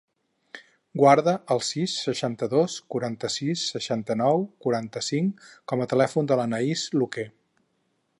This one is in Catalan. Guarda el sis, seixanta-dos, quaranta-sis, seixanta-nou, quaranta-cinc com a telèfon de l'Anaïs Luque.